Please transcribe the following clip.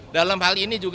dalam hal ini juga